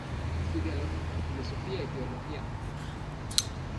Estudia lógica, filosofía y teología.